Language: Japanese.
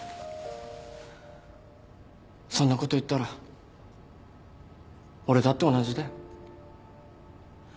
そんなこといったら俺だって同じだよ。